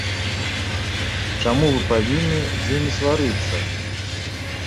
Чаму мы павінны з імі сварыцца?